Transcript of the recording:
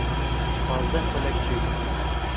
Pazdeh xulek çêbûn.